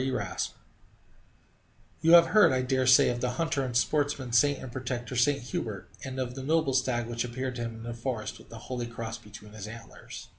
E. Raspe You have heard, I dare say, of the hunter and sportsman's saint and protector, St. Hubert, and of the noble stag which appeared to him in the forest with the holy cross between his antlers.